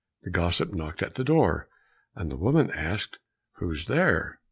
The gossip knocked at the door, and woman asked who was there.